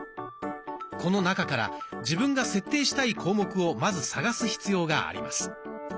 この中から自分が設定したい項目をまず探す必要があります。